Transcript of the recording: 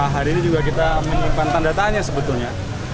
hari ini juga kita menyimpan tanda tanya sebetulnya